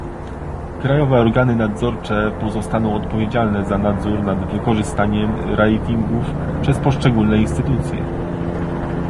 Krajowe organy nadzorcze pozostaną odpowiedzialne za nadzór nad wykorzystywaniem ratingów przez poszczególne instytucje